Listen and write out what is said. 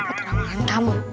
aku dapet ramalan kamu